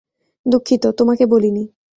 দুঃখিত, তোমাকে বলিনি।